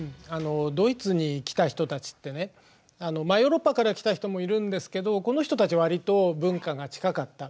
ドイツに来た人たちってねヨーロッパから来た人もいるんですけどこの人たちはわりと文化が近かった。